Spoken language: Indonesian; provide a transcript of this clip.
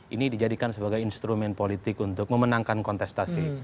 ini dijadikan sebagai instrumen politik untuk memenangkan kontestasi